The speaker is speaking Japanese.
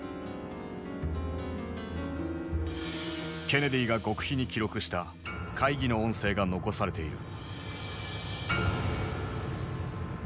ケネディが極秘に記録した会議の音声が残されている。